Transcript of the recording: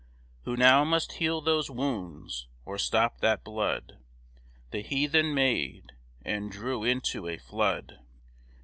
Who now must heal those wounds, or stop that blood The Heathen made, and drew into a flood?